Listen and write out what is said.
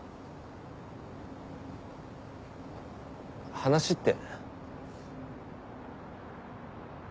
話って？